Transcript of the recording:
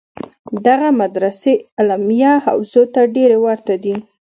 دغه مدرسې علمیه حوزو ته ډېرې ورته دي.